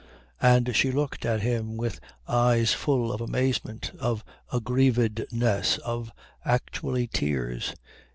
And she looked at him with eyes full of amazement, of aggrievedness, of, actually, tears.